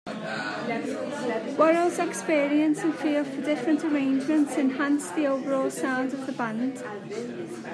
Worrell's experience and feel for different arrangements enhanced the overall sound of the band.